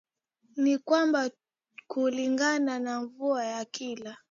ni kwamba kulingana na mvua ya kila